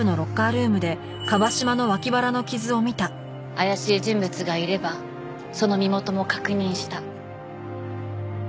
怪しい人物がいればその身元も確認した。